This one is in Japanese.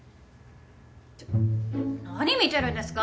ちょっ何見てるんですか！